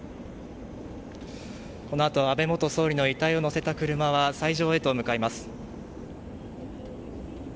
このあと安倍元総理の遺体を乗せた車は斎場へと向かいます。